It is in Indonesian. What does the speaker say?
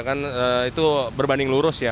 kan itu berbanding lurus ya